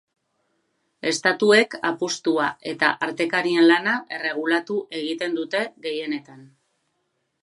Estatuek apustua eta artekarien lana erregulatu egiten dute, gehienetan.